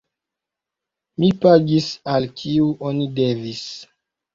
Mi pagis, al kiu oni devis.